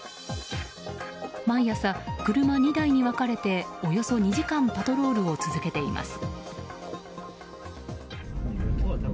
毎朝、車２台に分かれておよそ２時間パトロールを続けています。